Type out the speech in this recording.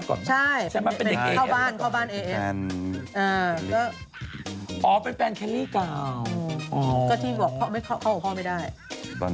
อะขอบคุณเลยไม่ได้พูดเลย